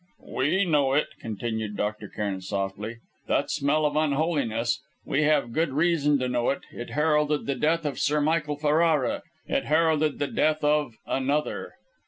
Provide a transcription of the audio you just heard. "We know it," continued Dr. Cairn softly "that smell of unholiness; we have good reason to know it. It heralded the death of Sir Michael Ferrara. It heralded the death of another."